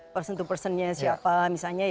person to personnya siapa misalnya